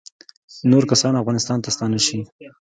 نور کسان افغانستان ته ستانه شي